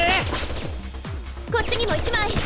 こっちにも１枚！